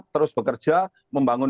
terus bekerja membangun